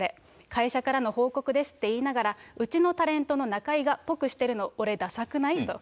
会社からの報告ですって言いながら、うちのタレントの中居がっぽくしているの俺、ださくない？と。